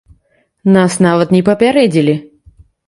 Нас нават не папярэдзілі!